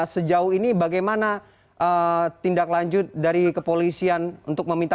sejauh ini bagaimana tindak lanjut dari kepolisian untuk meminta